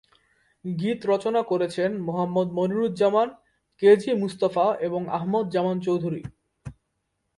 গীত রচনা করেছেন মোহাম্মদ মনিরুজ্জামান, কে জি মুস্তাফা ও আহমদ জামান চৌধুরী।